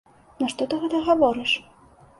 Нашто ты гэта гаворыш?